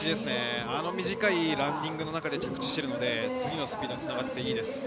あの短いランディングの中で着地しているので、次のスピンにつながって、いいです。